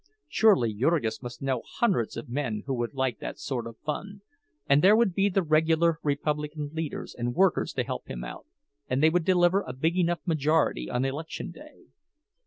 Surely Jurgis must know hundreds of men who would like that sort of fun; and there would be the regular Republican leaders and workers to help him out, and they would deliver a big enough majority on election day.